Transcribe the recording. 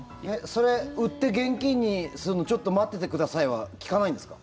それ売って現金にするのちょっと待っててくださいは利かないんですか？